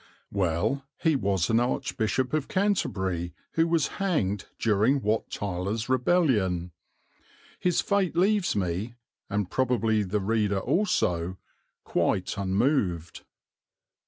Well, he was an archbishop of Canterbury who was hanged during Wat Tyler's rebellion. His fate leaves me, and probably the reader also, quite unmoved.